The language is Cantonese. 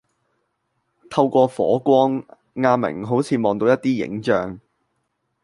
透過火光阿明好似望到一啲影像